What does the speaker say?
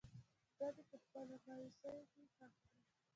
زړه دې په خپلو مايوسو کښې ښخ کړه